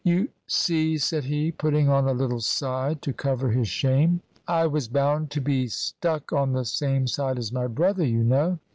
"You see," said he, putting on a little "side" to cover his shame, "I was bound to be stuck on the same side as my brother, you know."